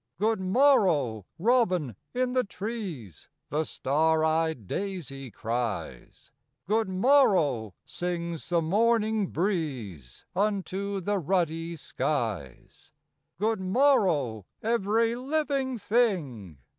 "Good morrow, robin in the trees!" The star eyed daisy cries; "Good morrow," sings the morning breeze Unto the ruddy skies; "Good morrow, every living thing!"